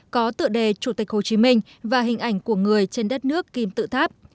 có tựa đề chủ tịch hồ chí minh và hình ảnh của người trên đất nước kim tự tháp